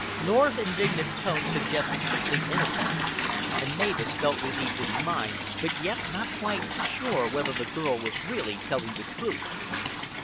Norah's indignant tone suggested complete innocence, and Mavis felt relieved in mind, but yet not quite sure whether the girl was really telling the truth.